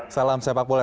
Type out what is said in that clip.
salam sepak bola